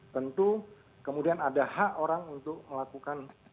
tentu kemudian ada hak orang untuk melakukan